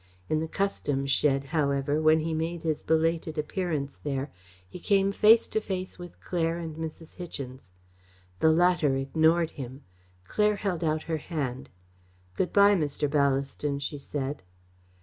In the customs shed, however, when he made his belated appearance there, he came face to face with Claire and Mrs. Hichens. The latter ignored him; Claire held out her hand. "Good by, Mr. Ballaston," she said.